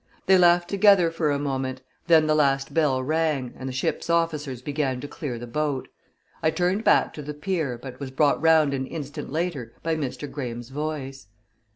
They laughed together for a moment, then the last bell rang, and the ship's officers began to clear the boat. I turned back to the pier, but was brought round an instant later by Mr. Graham's voice.